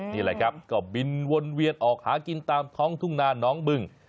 นี่แหละครับก็บินวนเวียนออกหากินตามท้องทุ่งนาน้องบึง